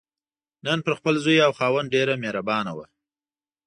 نن پر خپل زوی او خاوند ډېره مهربانه وه.